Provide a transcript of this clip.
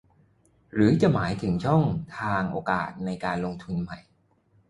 หรือจะหมายถึงช่องทางโอกาสในการลงทุนใหม่